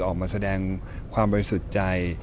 ออกมาแสดงความบริสุทธิ์ใจ